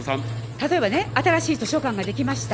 例えばね、新しい図書館が出来ました。